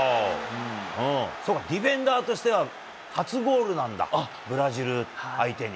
そっか、ディフェンダーとしては初ゴールなんだ、ブラジル相手に。